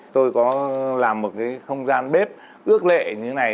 tôi có làm một cái không gian bếp ước lệ như thế này